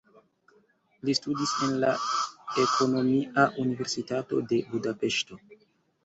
Li studis en la Ekonomia Universitato de Budapeŝto.